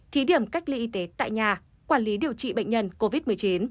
thí điểm cách ly y tế tại nhà quản lý điều trị bệnh nhân covid một mươi chín